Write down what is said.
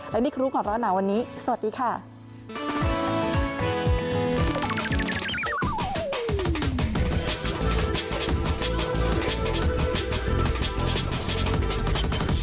และนี่คือรุ่งของเราในวันนี้สวัสดีค่ะ